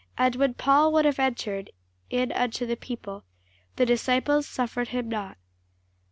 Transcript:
And when Paul would have entered in unto the people, the disciples suffered him not.